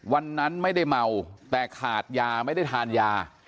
วันนั้นไม่ได้เมาแต่ขาดยาไม่ได้ทานยา